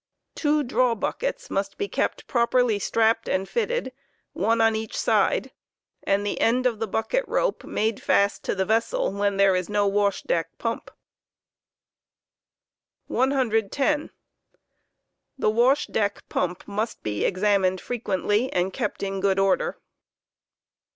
Two draw buckets must be kept properly strapped and fitted (one on each side), and the end of the bucket rope made fast to the vessel when there is no wash* deck pump. Pompa. no. The wash deck pump must be examined frequently, and kept in good order.